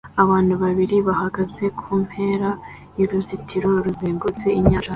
Abantu babiri bahagaze kumpera yuruzitiro ruzengurutse inyanja